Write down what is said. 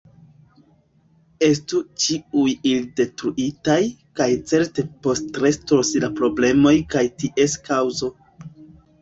Estu ĉiuj ili detruitaj, kaj certe postrestos la problemoj kaj ties kaŭzo.